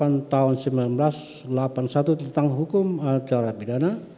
undang undang nomor delapan tahun seribu sembilan ratus delapan puluh satu tentang hukum acara pidana